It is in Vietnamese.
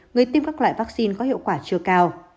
người tiêm các loại vaccine có hiệu quả chưa cao